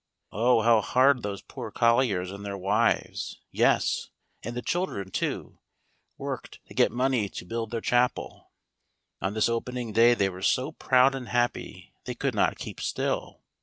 Oh, how hard those poor colliers and their wives, yes, and the children too, worked to get money to build their chapel. On this opening day they were so proud and happy they could not keep still.